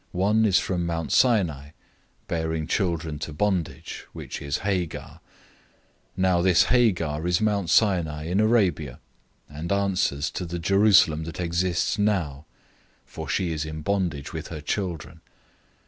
One is from Mount Sinai, bearing children to bondage, which is Hagar. 004:025 For this Hagar is Mount Sinai in Arabia, and answers to the Jerusalem that exists now, for she is in bondage with her children.